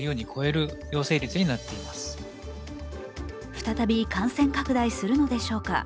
再び感染拡大するのでしょうか。